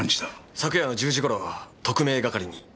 昨夜の１０時頃特命係に。